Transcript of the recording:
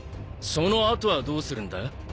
その後はどうするんだ？